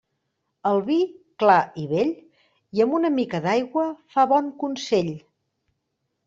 El vi clar i vell i amb una mica d'aigua fa bon consell.